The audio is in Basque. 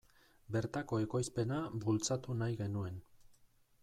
Bertako ekoizpena bultzatu nahi genuen.